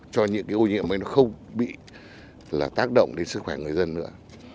cái ô nhiễm này nó không bị tác động đến sức khỏe người dân nữa